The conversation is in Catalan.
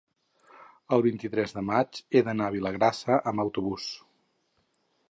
el vint-i-tres de maig he d'anar a Vilagrassa amb autobús.